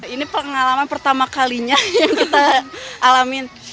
ini pengalaman pertama kalinya yang kita alamin